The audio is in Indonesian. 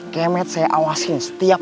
deh bos boleh hidup